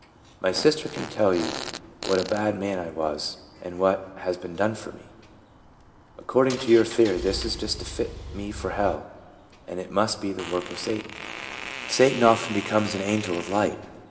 " My sister can tell you what a bad man I was, and what has been done for me. Ac 7 o TRANSFORMED. cording to your theory this is just to fit me for hell, and it must be the work of Satan." " Satan often becomes an angel of light."